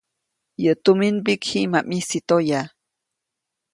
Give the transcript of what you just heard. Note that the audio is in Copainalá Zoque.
Yäʼ tuminmbiʼk jiʼ ma ʼmisi toya.